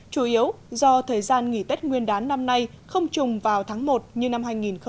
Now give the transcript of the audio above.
chủ yếu do thời gian nghỉ tết nguyên đán năm nay không chùng vào tháng một như năm hai nghìn một mươi bảy